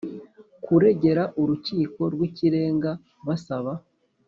Kuregera urukiko rw ikirenga basaba